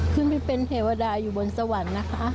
ขึ้นไปเป็นเทวดาอยู่บนสวรรค์นะคะ